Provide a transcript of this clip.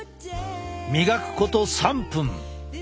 磨くこと３分。